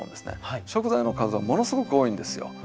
食材の数はものすごく多いんですよ。